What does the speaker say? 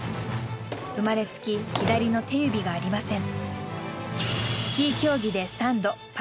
生まれつき左の手指がありません。